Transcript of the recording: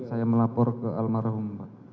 saya melapor ke almarhum